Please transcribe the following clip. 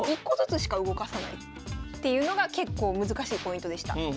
１個ずつしか動かさないっていうのが結構難しいポイントでした。